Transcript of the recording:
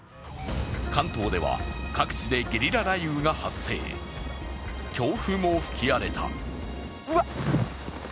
関東では各地でゲリラ雷雨が発生強風も吹き荒れた。